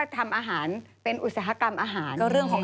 ทำอาหารเป็นอุตสาหกรรมอาหาร